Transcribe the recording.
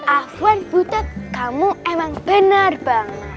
afwan buta kamu emang benar banget